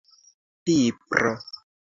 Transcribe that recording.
pipro